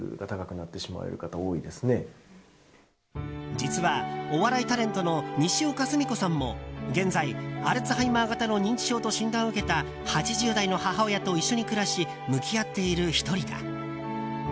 実は、お笑いタレントのにしおかすみこさんも現在、アルツハイマー型の認知症と診断を受けた８０代の母親と一緒に暮らし向き合っている１人だ。